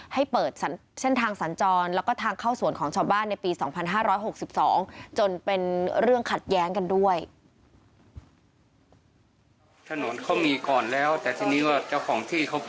ให้เปิดเช่นทางสรรจรแล้วก็ทางเข้าสวนของชาวบ้านในปีสองพันห้าร้อยหกสิบสอง